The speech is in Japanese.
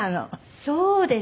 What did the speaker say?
そうですね。